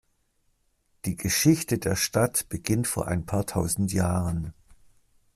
Die Geschichte der Stadt beginnt vor ein paar tausend Jahren.